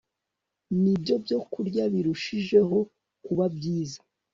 ni byo byokurya birushijeho kuba byiza